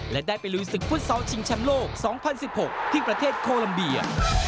และได้ไปลุยศึกฟุตซอลชิงแชมป์โลก๒๐๑๖ที่ประเทศโคลัมเบีย